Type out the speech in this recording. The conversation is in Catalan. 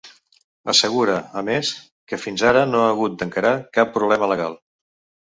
Assegura, a més, que fins ara no ha hagut d’encarar cap problema legal.